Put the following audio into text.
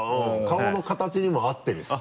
顔の形にも合ってるしさ。